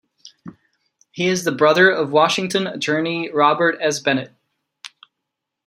He is the brother of Washington attorney Robert S. Bennett.